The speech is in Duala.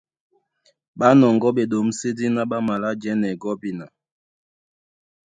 Ɓá nɔŋgɔ́ ɓeɗǒmsédí ná ɓá malá jɛ́nɛ gɔ́bina.